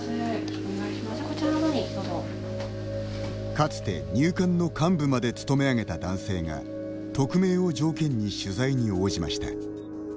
かつて、入管の幹部まで務めあげた男性が匿名を条件に取材に応じました。